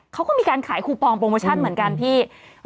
เขาก็มีการขายคูปองโปรโมชั่นเหมือนกันพี่